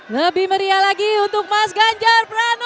lebih meriah lagi untuk mas ganjar pranowo